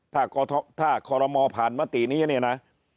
ถ้าขอรมอผ่านมาตีนี้นะ